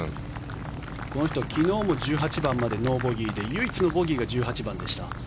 この人は昨日も１８番までノーボギーで唯一のボギーが１８番でした。